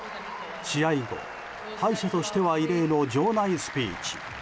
試合後、敗者としては異例の場内スピーチ。